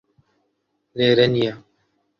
لێرە نییە